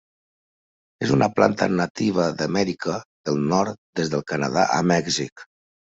És una planta nativa d'Amèrica del Nord des del Canadà a Mèxic.